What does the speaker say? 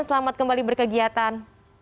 selamat kembali berkegiatan